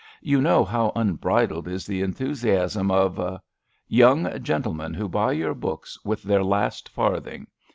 You know how un bridled is the enthusiasm of ''Young gentlemen who buy your books with their last farthing.